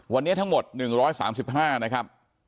วันนี้ทั้งหมด๑๓๕นะครับ